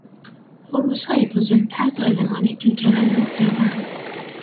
خروسهای بزرگتر ظالمانه جوجه را نوک زدند.